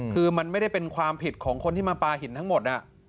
คือมันไม่ได้เป็นความผิดของคนที่มาปลาหินทั้งหมด